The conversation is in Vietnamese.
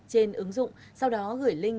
trên ứng dụng sau đó gửi link